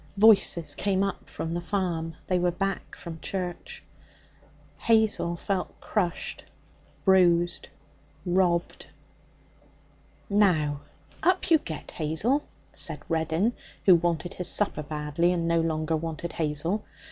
Voices came up from the farm. They were back from church. Hazel felt crushed, bruised, robbed. 'Now, up you get, Hazel!' said Reddin, who wanted his supper badly, and no longer wanted Hazel.